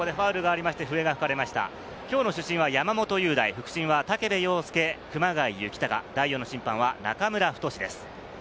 きょうの主審は山本雄大、副審は武部陽介、熊谷幸剛、第四の審判は中村太です。